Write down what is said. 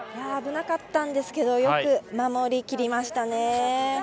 危なかったんですけどよく守りきりましたね。